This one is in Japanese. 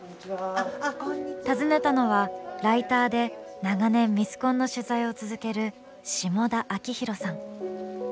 訪ねたのは、ライターで長年ミスコンの取材を続ける霜田明寛さん。